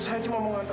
saya cuma mau ngantar